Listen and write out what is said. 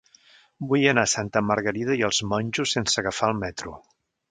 Vull anar a Santa Margarida i els Monjos sense agafar el metro.